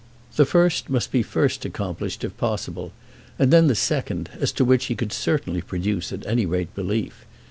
The first must be first accomplished, if possible, and then the second, as to which he could certainly produce at any rate belief.